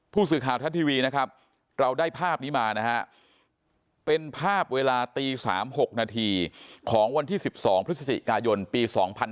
ผู้สื่อข่าวทัศน์ทีวีนะครับเราได้ภาพนี้มานะฮะเป็นภาพเวลาตี๓๖นาทีของวันที่๑๒พฤศจิกายนปี๒๕๕๙